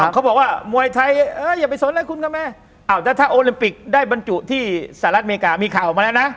เขาบอกว่ามวยไทยอย่าไปสนอะไรคุณก็แม่อ้าวแต่ถ้าโอลิมปิกได้บรรจุที่สหรัฐอเมริกามีข่าวออกมาแล้วนะ